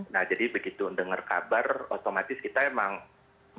nah jadi begitu dengar kabar otomatis kita emang berkumpul